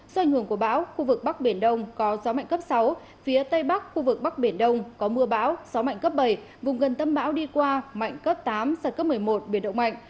do ảnh hưởng của bão khu vực bắc biển đông có gió mạnh cấp sáu phía tây bắc khu vực bắc biển đông có mưa bão gió mạnh cấp bảy vùng gần tâm bão đi qua mạnh cấp tám giật cấp một mươi một biển động mạnh